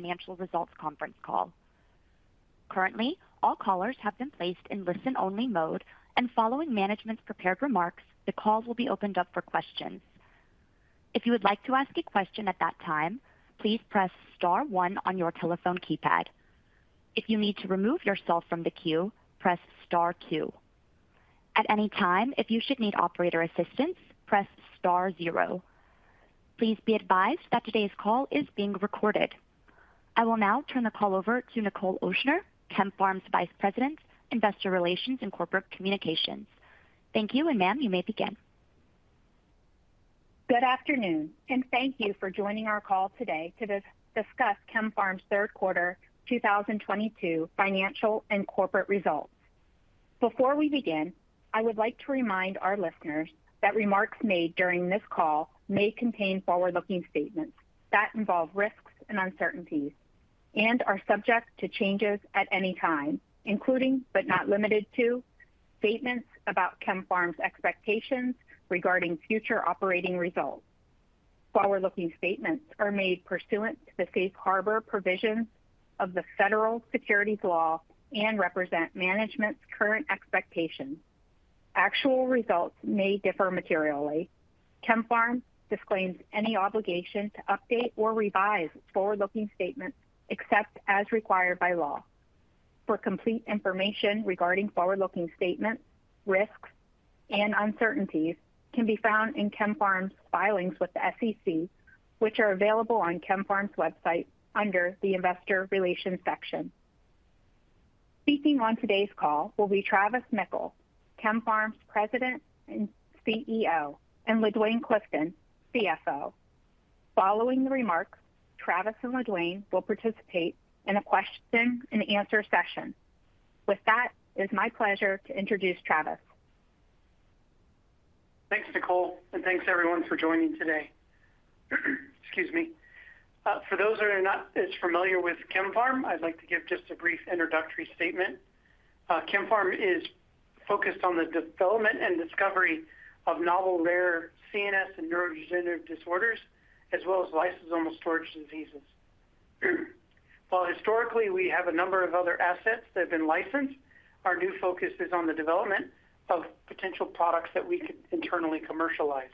Financial results conference call. Currently, all callers have been placed in listen-only mode, and following management's prepared remarks, the call will be opened up for questions. If you would like to ask a question at that time, please press star one on your telephone keypad. If you need to remove yourself from the queue, press star two. At any time, if you should need operator assistance, press star zero. Please be advised that today's call is being recorded. I will now turn the call over to Nichol Ochsner, Zevra Therapeutics' Vice President, Investor Relations and Corporate Communications. Thank you, and ma'am, you may begin. Good afternoon, and thank you for joining our call today to discuss KemPharm's third quarter 2022 financial and corporate results. Before we begin, I would like to remind our listeners that remarks made during this call may contain forward-looking statements that involve risks and uncertainties and are subject to changes at any time, including, but not limited to, statements about KemPharm's expectations regarding future operating results. Forward-looking statements are made pursuant to the Safe Harbor Provisions of the Federal Securities Law and represent management's current expectations. Actual results may differ materially. KemPharm disclaims any obligation to update or revise forward-looking statements except as required by law. For complete information regarding forward-looking statements, risks, and uncertainties can be found in KemPharm's filings with the SEC, which are available on KemPharm's website under the Investor Relations section. Speaking on today's call will be Travis Mickle, Zevra Therapeutics' President and CEO, and LaDuane Clifton, CFO. Following the remarks, Travis and LaDuane will participate in a question and answer session. With that, it's my pleasure to introduce Travis. Thanks, Nicole, and thanks everyone for joining today. Excuse me. For those that are not as familiar with KemPharm, I'd like to give just a brief introductory statement. KemPharm is focused on the development and discovery of novel rare CNS and neurodegenerative disorders as well as lysosomal storage diseases. While historically we have a number of other assets that have been licensed, our new focus is on the development of potential products that we could internally commercialize.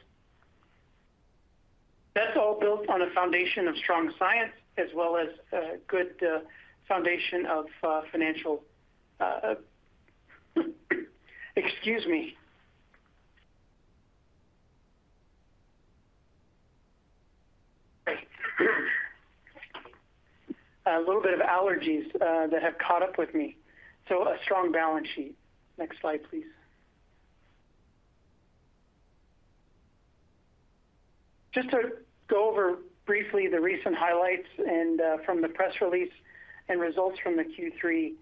That's all built on a foundation of strong science. Excuse me. Great. A little bit of allergies that have caught up with me. A strong balance sheet. Next slide, please. Just to go over briefly the recent highlights and from the press release and results from the Q3.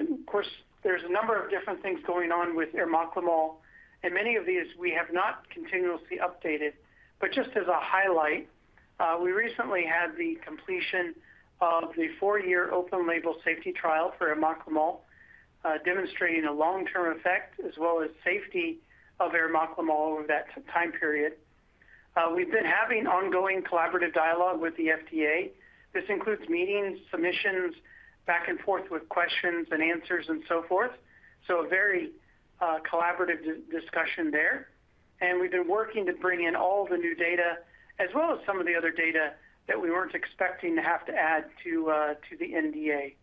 Of course, there's a number of different things going on with arimoclomol, and many of these we have not continuously updated. Just as a highlight, we recently had the completion of the four-year open label safety trial for arimoclomol, demonstrating a long-term effect as well as safety of arimoclomol over that time period. We've been having ongoing collaborative dialogue with the FDA. This includes meetings, submissions, back and forth with questions and answers and so forth, so a very collaborative discussion there. We've been working to bring in all the new data as well as some of the other data that we weren't expecting to have to add to the NDA.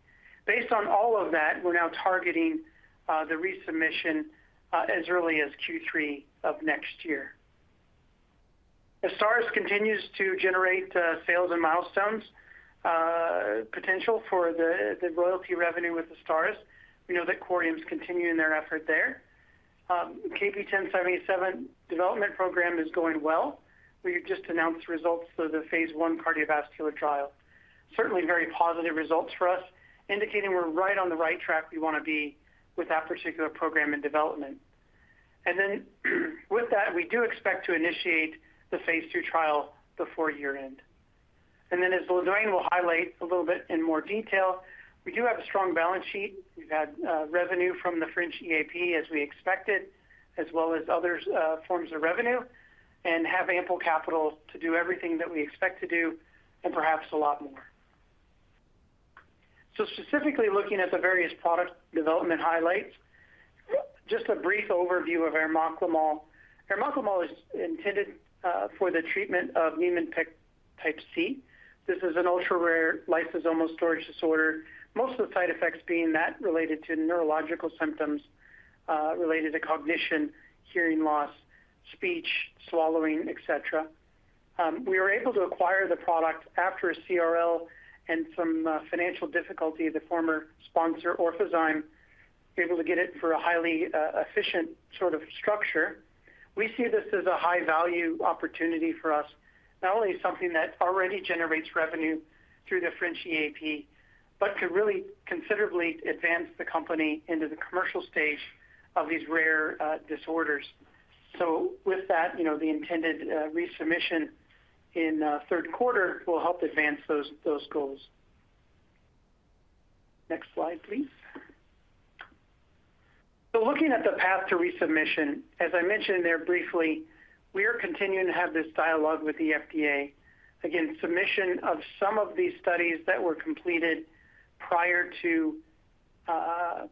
Based on all of that, we're now targeting the resubmission as early as Q3 of next year. Azstarys continues to generate sales and milestones potential for the royalty revenue with Azstarys. We know that Corium's continuing their effort there. KP1077 development program is going well. We just announced results of the Phase I cardiovascular trial. Certainly very positive results for us, indicating we're right on the right track we wanna be with that particular program and development. With that, we do expect to initiate the Phase II trial before year-end. As LaDuane will highlight a little bit in more detail, we do have a strong balance sheet. We've had revenue from the French EAP as we expected, as well as other forms of revenue, and have ample capital to do everything that we expect to do and perhaps a lot more. Specifically looking at the various product development highlights, just a brief overview of arimoclomol. Arimoclomol is intended for the treatment of Niemann-Pick type C. This is an ultra-rare lysosomal storage disorder, most of the symptoms being those related to neurological symptoms related to cognition, hearing loss, speech, swallowing, et cetera. We were able to acquire the product after a CRL and some financial difficulty of the former sponsor, Orphazyme, able to get it for a highly efficient sort of structure. We see this as a high-value opportunity for us, not only something that already generates revenue through the French EAP, but could really considerably advance the company into the commercial stage of these rare disorders. With that, the intended resubmission in third quarter will help advance those goals. Next slide, please. Looking at the path to resubmission, as I mentioned there briefly, we are continuing to have this dialogue with the FDA. Again, submission of some of these studies that were completed prior to our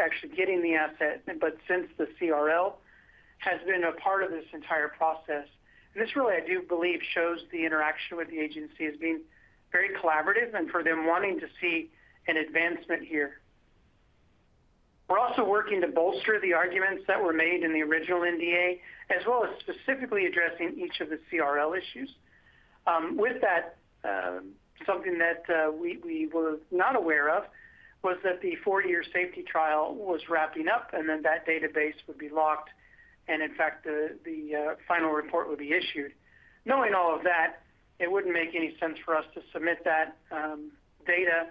actually getting the asset, but since the CRL has been a part of this entire process. This really, I do believe, shows the interaction with the agency as being very collaborative and for them wanting to see an advancement here. We're also working to bolster the arguments that were made in the original NDA, as well as specifically addressing each of the CRL issues. With that, something that we were not aware of was that the four-year safety trial was wrapping up and then that database would be locked and in fact the final report would be issued. Knowing all of that, it wouldn't make any sense for us to submit that data,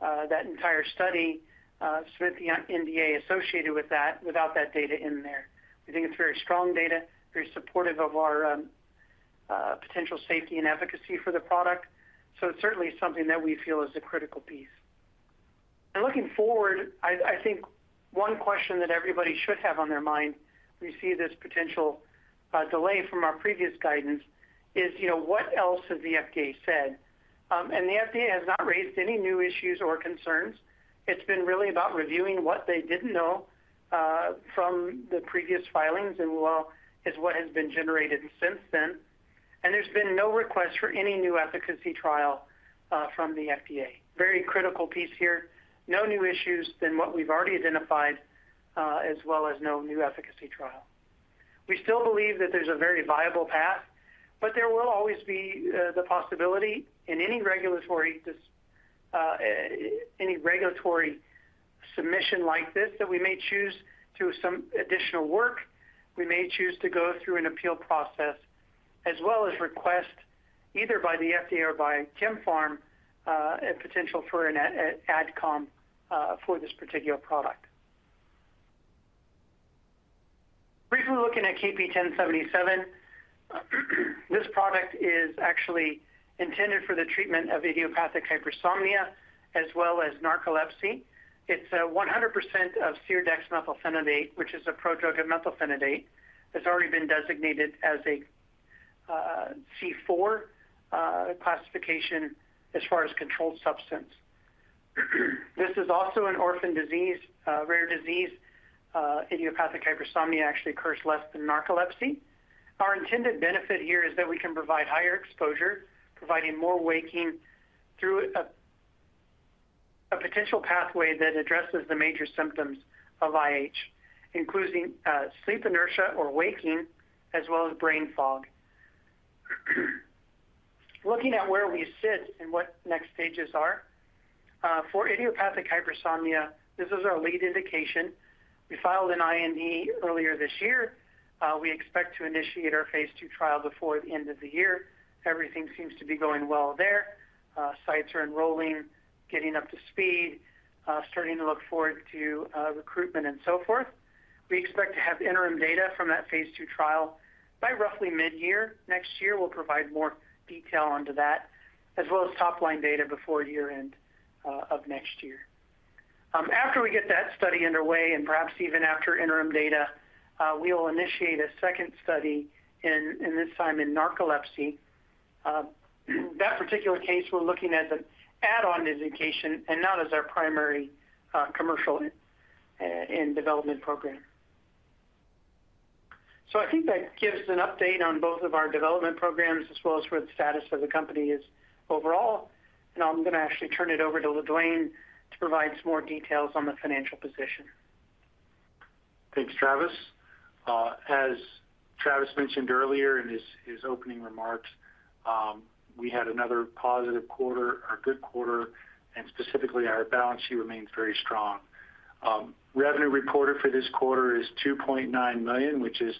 that entire study, the NDA associated with that without that data in there. We think it's very strong data, very supportive of our potential safety and efficacy for the product. It's certainly something that we feel is a critical piece. Looking forward, I think one question that everybody should have on their mind, we see this potential delay from our previous guidance is, you know, what else has the FDA said? The FDA has not raised any new issues or concerns. It's been really about reviewing what they didn't know from the previous filings and what has been generated since then. There's been no request for any new efficacy trial from the FDA. Very critical piece here. No new issues than what we've already identified, as well as no new efficacy trial. We still believe that there's a very viable path, but there will always be the possibility in any regulatory submission like this that we may choose to do some additional work. We may choose to go through an appeal process as well as request either by the FDA or by KemPharm a potential for an AdCom for this particular product. Briefly looking at KP1077, this product is actually intended for the treatment of idiopathic hypersomnia as well as narcolepsy. It's 100% of serdexmethylphenidate, which is a prodrug of methylphenidate, that's already been designated as a C4 classification as far as controlled substance. This is also an orphan disease, rare disease. Idiopathic hypersomnia actually occurs less than narcolepsy. Our intended benefit here is that we can provide higher exposure, providing more waking through a potential pathway that addresses the major symptoms of IH, including sleep inertia or waking, as well as brain fog. Looking at where we sit and what next stages are for idiopathic hypersomnia, this is our lead indication. We filed an IND earlier this year. We expect to initiate our Phase II trial before the end of the year. Everything seems to be going well there. Sites are enrolling, getting up to speed, starting to look forward to recruitment and so forth. We expect to have interim data from that Phase II trial by roughly mid-year next year. We'll provide more detail onto that, as well as top-line data before year-end next year. After we get that study underway and perhaps even after interim data, we will initiate a second study in this time in narcolepsy. That particular case, we're looking at an add-on indication and not as our primary commercial and development program. I think that gives an update on both of our development programs as well as where the status of the company is overall. I'm gonna actually turn it over to LaDuane to provide some more details on the financial position. Thanks, Travis. As Travis mentioned earlier in his opening remarks, we had another positive quarter, a good quarter, and specifically our balance sheet remains very strong. Revenue reported for this quarter is $2.9 million, which is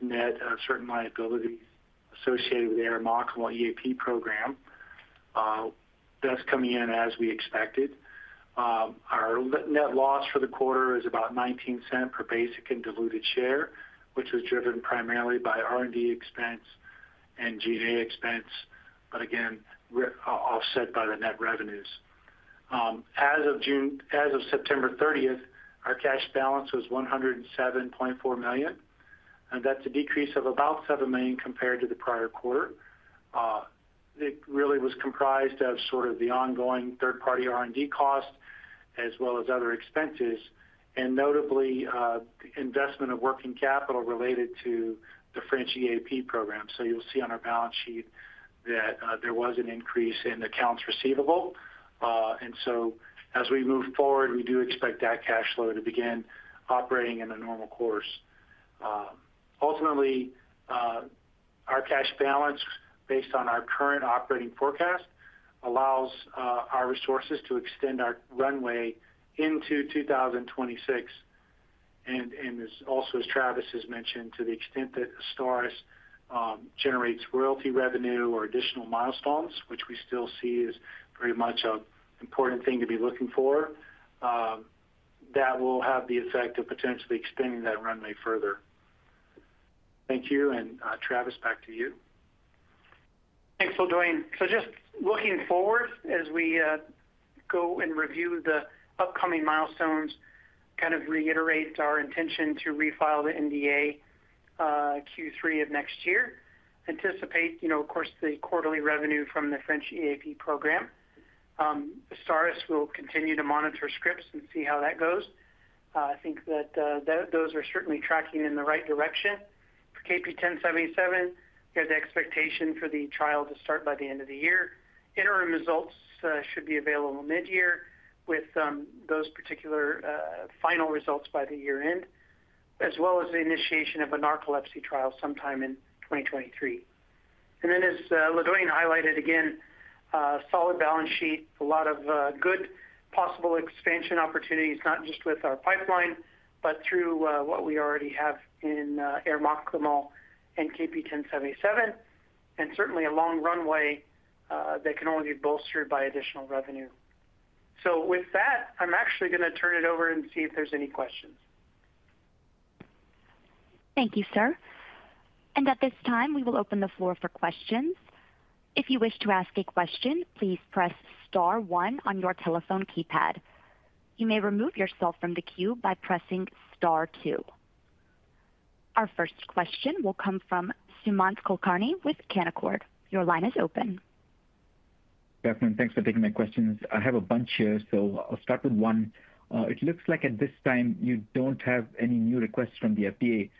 net of certain liabilities associated with the arimoclomol EAP program. That's coming in as we expected. Our net loss for the quarter is about $0.19 per basic and diluted share, which was driven primarily by R&D expense and G&A expense, but again, we're offset by the net revenues. As of September 30, our cash balance was $107.4 million, and that's a decrease of about $7 million compared to the prior quarter. It really was comprised of sort of the ongoing third-party R&D costs as well as other expenses, and notably, investment of working capital related to the French EAP program. You'll see on our balance sheet that there was an increase in accounts receivable. As we move forward, we do expect that cash flow to begin operating in the normal course. Ultimately, our cash balance based on our current operating forecast allows our resources to extend our runway into 2026. As Travis has also mentioned, to the extent that Azstarys generates royalty revenue or additional milestones, which we still see as pretty much an important thing to be looking for, that will have the effect of potentially extending that runway further. Thank you, Travis, back to you. Thanks, LaDuane. Just looking forward as we go and review the upcoming milestones, kind of reiterate our intention to refile the NDA Q3 of next year. Anticipate, you know, of course, the quarterly revenue from the French EAP program. Azstarys will continue to monitor scripts and see how that goes. I think that those are certainly tracking in the right direction. For KP1077, we have the expectation for the trial to start by the end of the year. Interim results should be available mid-year with those particular final results by the year-end, as well as the initiation of a narcolepsy trial sometime in 2023. Then as LaDuane highlighted again, a solid balance sheet, a lot of good possible expansion opportunities, not just with our pipeline, but through what we already have in arimoclomol and KP1077, and certainly a long runway that can only be bolstered by additional revenue. With that, I'm actually gonna turn it over and see if there's any questions? Thank you, sir. At this time, we will open the floor for questions. If you wish to ask a question, please press star one on your telephone keypad. You may remove yourself from the queue by pressing star two. Our first question will come from Sumant Kulkarni with Canaccord. Your line is open. Good afternoon. Thanks for taking my questions. I have a bunch here, so I'll start with one. It looks like at this time you don't have any new requests from the FDA,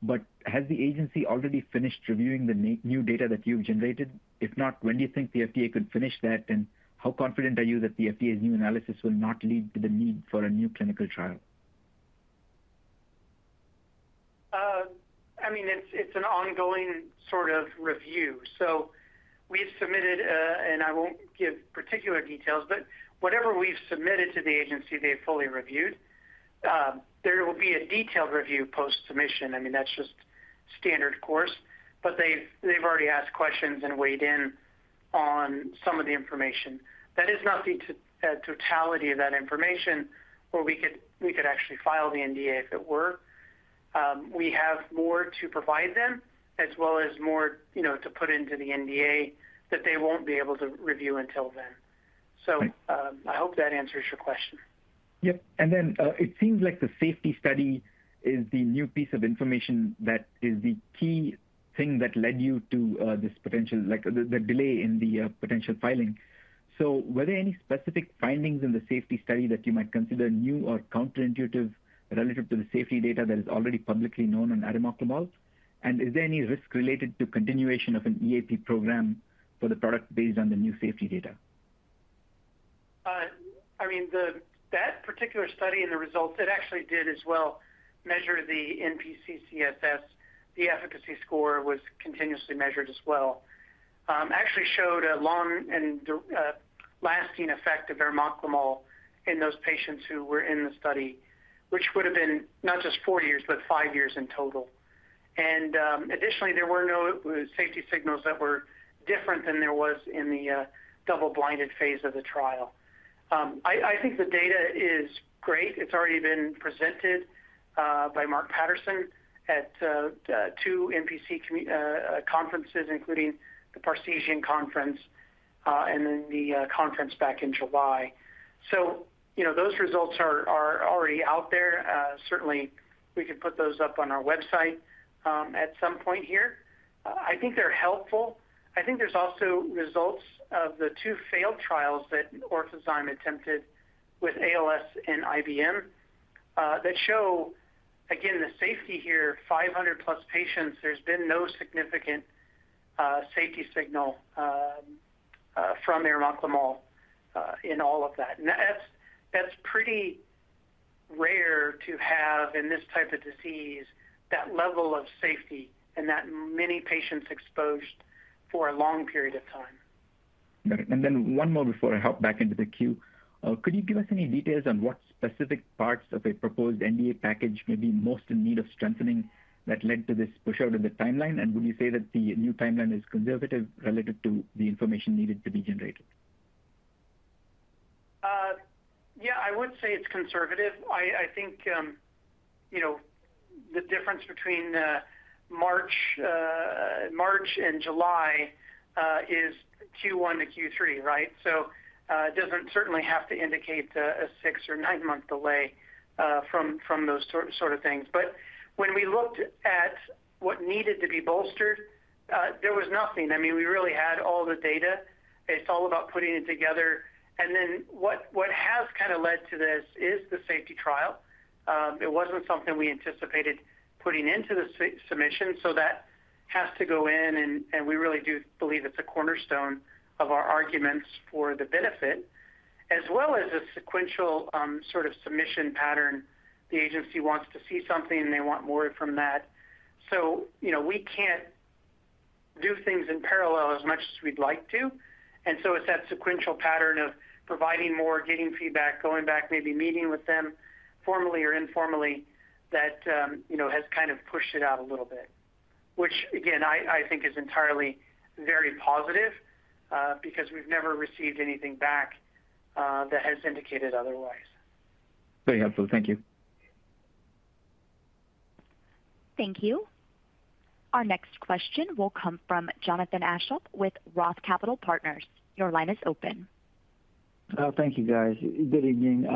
but has the agency already finished reviewing the new data that you've generated? If not, when do you think the FDA could finish that? And how confident are you that the FDA's new analysis will not lead to the need for a new clinical trial? I mean, it's an ongoing sort of review. We've submitted, and I won't give particular details, but whatever we've submitted to the agency, they've fully reviewed. There will be a detailed review post-submission. I mean, that's just standard course. But they've already asked questions and weighed in on some of the information. That is not the totality of that information where we could actually file the NDA if it were. We have more to provide them as well as more, you know, to put into the NDA that they won't be able to review until then. I hope that answers your question. Yep. It seems like the safety study is the new piece of information that is the key thing that led you to this potential, like, the delay in the potential filing. Were there any specific findings in the safety study that you might consider new or counterintuitive relative to the safety data that is already publicly known on arimoclomol? Is there any risk related to continuation of an EAP program for the product based on the new safety data? I mean, that particular study and the results, it actually did as well measure the NPC SS. The efficacy score was continuously measured as well. Actually showed a lasting effect of arimoclomol in those patients who were in the study, which would have been not just four years, but five years in total. Additionally, there were no safety signals that were different than there was in the double-blind phase of the trial. I think the data is great. It's already been presented by Marc Patterson at two NPC conferences, including the Parseghian conference, and then the conference back in July. You know, those results are already out there. Certainly we could put those up on our website at some point here. I think they're helpful. I think there's also results of the two failed trials that Orphazyme attempted with ALS and IBM that show, again, the safety here, 500+ patients, there's been no significant safety signal from arimoclomol in all of that. That's pretty rare to have in this type of disease, that level of safety and that many patients exposed for a long period of time. Got it. One more before I hop back into the queue. Could you give us any details on what specific parts of a proposed NDA package may be most in need of strengthening that led to this push out of the timeline? Would you say that the new timeline is conservative related to the information needed to be generated? Yeah, I would say it's conservative. I think, you know, the difference between March and July is Q1 to Q3, right? It doesn't certainly have to indicate a six or nine-month delay from those sort of things. When we looked at what needed to be bolstered, there was nothing. I mean, we really had all the data. It's all about putting it together. Then what has kinda led to this is the safety trial. It wasn't something we anticipated putting into the submission, so that has to go in and we really do believe it's a cornerstone of our arguments for the benefit as well as a sequential sort of submission pattern. The agency wants to see something, and they want more from that. You know, we can't do things in parallel as much as we'd like to. It's that sequential pattern of providing more, getting feedback, going back, maybe meeting with them formally or informally that, you know, has kind of pushed it out a little bit, which again, I think is entirely very positive, because we've never received anything back, that has indicated otherwise. Very helpful. Thank you. Thank you. Our next question will come from Jonathan Aschoff with Roth Capital Partners. Your line is open. Thank you, guys. Good evening.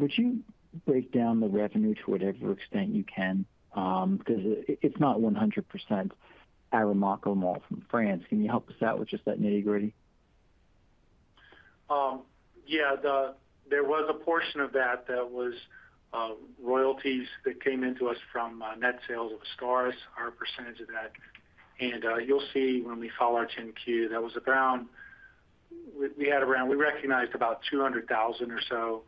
Would you break down the revenue to whatever extent you can? 'Cause it's not 100% arimoclomol from France. Can you help us out with just that nitty-gritty? There was a portion of that that was royalties that came into us from net sales of Azstarys, our percentage of that. You'll see when we file our 10-Q, we recognized about $200,000 or so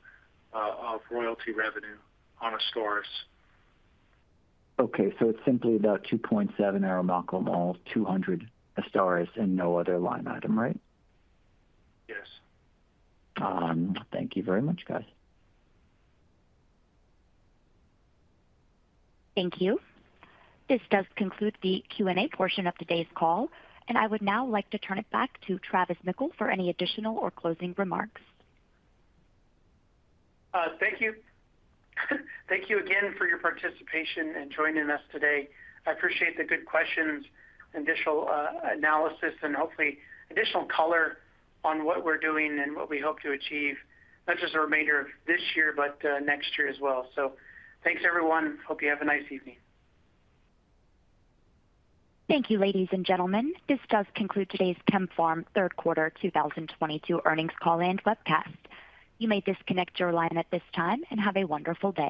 of royalty revenue on Azstarys. Okay. It's simply about $2.7 arimoclomol, $200 Azstarys and no other line item, right? Yes. Thank you very much, guys. Thank you. This does conclude the Q&A portion of today's call, and I would now like to turn it back to Travis Mickle for any additional or closing remarks. Thank you. Thank you again for your participation in joining us today. I appreciate the good questions and additional analysis and hopefully additional color on what we're doing and what we hope to achieve, not just the remainder of this year, but next year as well. Thanks, everyone. Hope you have a nice evening. Thank you, ladies and gentlemen. This does conclude today's KemPharm third quarter 2022 earnings call and webcast. You may disconnect your line at this time, and have a wonderful day.